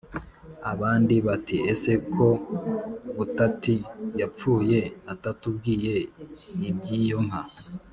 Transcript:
Abandi bati: “Ese ko Butati yapfuye atatubwiye iby’iyo nka